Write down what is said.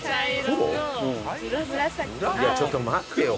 いやちょっと待ってよ！